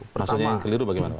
maksudnya yang keliru bagaimana pak